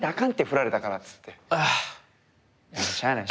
振られたからっつって。